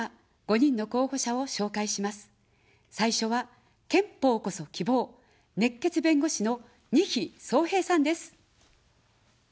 最初は、憲法こそ希望、熱血弁護士の、にひそうへいさんです。